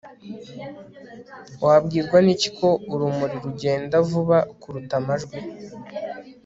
wabwirwa n'iki ko urumuri rugenda vuba kuruta amajwi